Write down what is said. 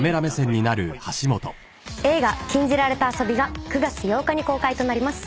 映画『禁じられた遊び』が９月８日に公開となります。